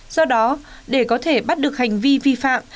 do đó để có thể bắt được hành vi vi phạm